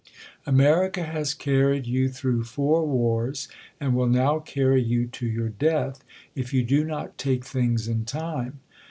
America has carried you through four wars, and will now carry you to your death, if you do not take things in time.